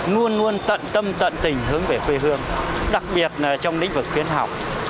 luôn luôn tận tâm tận tình hướng về quỹ hương đặc biệt trong lĩnh vực khuyến học